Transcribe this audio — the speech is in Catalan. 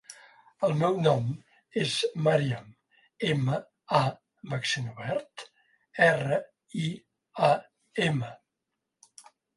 El meu nom és Màriam: ema, a amb accent obert, erra, i, a, ema.